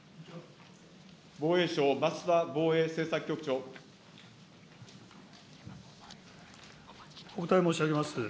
防衛省、お答え申し上げます。